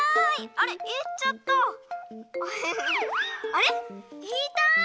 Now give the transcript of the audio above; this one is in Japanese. あれっいた！